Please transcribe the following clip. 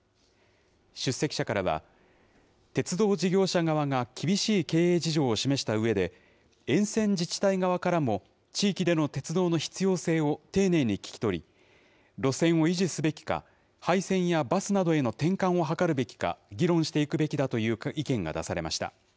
出席者からは、鉄道事業者側が厳しい経営事情を示したうえで、沿線自治体側からも、地域での鉄道の必要性を丁寧に聞き取り、路線を維持すべきか、廃線やバスなどへの転換を図るべきか、議論していくべきだという意見が出されました。